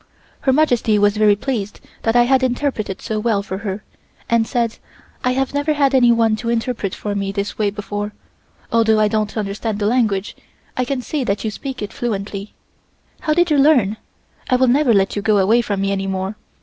Her Majesty was very well pleased that I had interpreted so well for her and said: "I have never had anyone to interpret for me this way before. Although I don't understand the language, I can see that you speak it fluently. How did you learn? I will never let you go away from me any more.